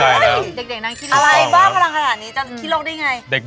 อะไรบ้างพลังขนาดนี้จ้ะขี้โลกได้ไง